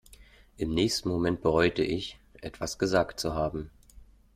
Im nächsten Moment bereute ich, etwas gesagt zu haben.